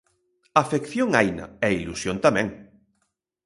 Afección haina e ilusión tamén.